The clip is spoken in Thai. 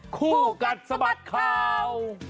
คู่กันสะบัดเข้า